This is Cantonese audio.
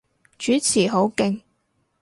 主持好勁